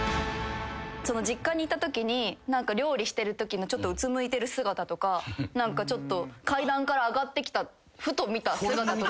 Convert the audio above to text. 実家に行ったときに料理してるときのちょっとうつむいてる姿とか何かちょっと階段から上がってきたふと見た姿とか。